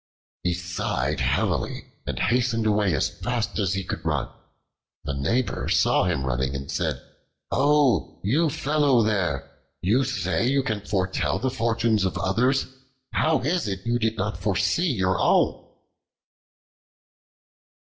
He sighed heavily and hastened away as fast as he could run. A neighbor saw him running and said, "Oh! you fellow there! you say you can foretell the fortunes of others; how is it you did not foresee your own?"